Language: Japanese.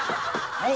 はい。